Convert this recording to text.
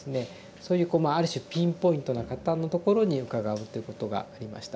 そういうある種ピンポイントな方のところに伺うっていうことがありました。